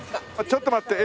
ちょっと待って。